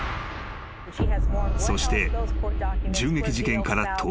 ［そして銃撃事件から１０日後］